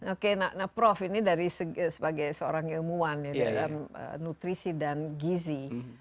oke nah prof ini dari sebagai seorang ilmuwan ya dalam nutrisi dan gizi